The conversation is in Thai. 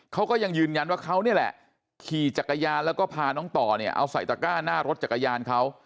เขาก็ยังยืนยันว่าเขานี่แหละขี่จักรยานแล้วก็พาน้องต่อเนี่ยเอาใส่ตะก้าหน้ารถจักรยานเขา